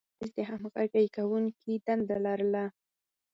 تبریز د همغږي کوونکي دنده لرله.